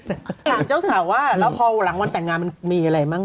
ถามเจ้าสาวว่าแล้วพอหลังวันแต่งงานมันมีอะไรมั่ง